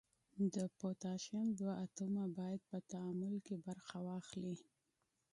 د پوتاشیم دوه اتومه باید په تعامل کې برخه واخلي.